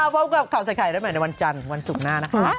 พบกับข่าวใส่ไข่ได้ใหม่ในวันจันทร์วันศุกร์หน้านะคะ